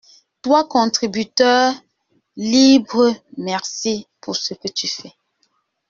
Toi contributeur libre, merci pour ce que tu fais.